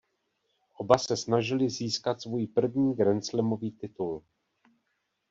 Oba se snažili získat svůj první grandslamový titul.